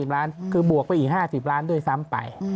ล้านคือบวกไปอีก๕๐ล้านด้วยซ้ำไป